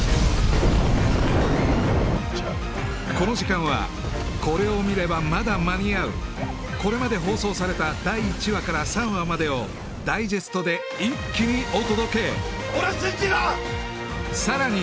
この時間はこれを見ればまだ間に合うこれまで放送された第１話から３話までをダイジェストで一気にお届けさらに